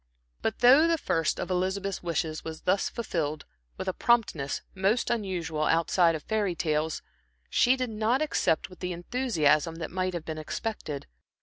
But though the first of Elizabeth's wishes was thus fulfilled with a promptness most unusual outside of fairy tales, she did not accept with the enthusiasm that might have been expected.